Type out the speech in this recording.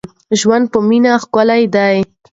ژوند په مینه ښکلی دی.